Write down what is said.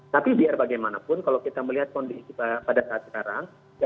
tapi biar bagaimanapun kalau kita melihat kondisi kita pada saat sekarang